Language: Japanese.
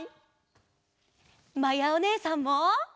まやおねえさんも！